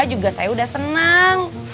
juga saya udah senang